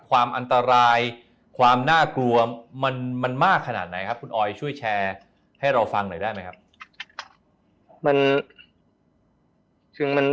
ความอันตรายความน่ากลัวมันมากขนาดไหนครับคุณออยช่วยแชร์ให้เราฟังหน่อยได้ไหมครับ